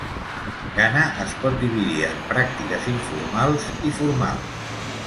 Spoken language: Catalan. Ghana es pot dividir en pràctiques informals i formals.